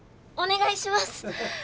お願いします！